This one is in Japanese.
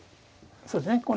そうですね。